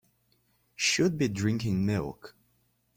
Should be drinking milk.